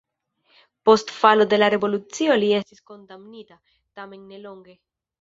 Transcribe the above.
Post falo de la revolucio li estis kondamnita, tamen ne longe.